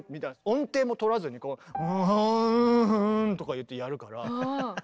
音程も取らずにウゥフフンとか言ってやるから。